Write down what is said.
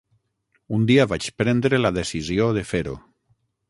Un dia vaig prendre la decisió de fer-ho.